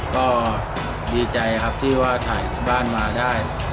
ก็ดีใจครับที่ว่าถ่ายที่บ้านมาได้